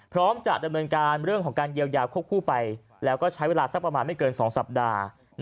พร้อมจะดำเนินการเรื่องของการเยียวยาควบคู่ไปแล้วก็ใช้เวลาสักประมาณไม่เกิน๒สัปดาห์